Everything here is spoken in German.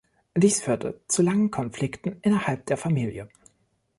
Dies führte zu langen Konflikten innerhalb der Familie.